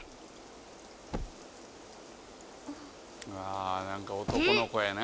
あ何か男の子やな。